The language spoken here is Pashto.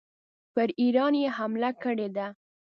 پر ایران یې حملې کړي دي.